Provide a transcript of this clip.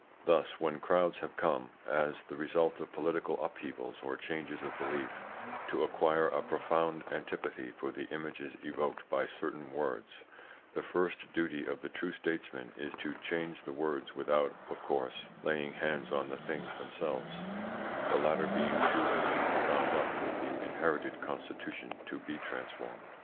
Thus, when crowds have come, as the result of political upheavals or changes of belief, to acquire a profound antipathy for the images evoked by certain words, the first duty of the true statesman is to change the words without, of course, laying hands on the things themselves, the latter being too intimately bound up with the inherited constitution to be transformed.